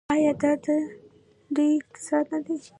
آیا او دا دی د دوی اقتصاد نه دی؟